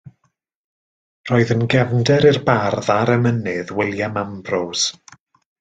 Roedd yn gefnder i'r bardd a'r emynydd William Ambrose.